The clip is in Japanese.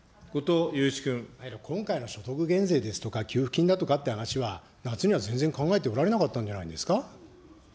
今回の所得減税ですとか、給付金だとかっていう話は、夏には全然考えておられなかったんじゃないですか。